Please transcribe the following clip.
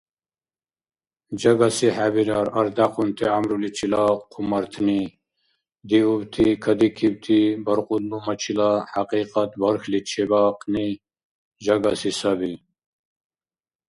Жагаси хӀебирар ардякьунти гӀямруличила хъумартни, диубти, кадикибти баркьудлумачила хӀякьикьат бархьли чебаахъни жагаси саби.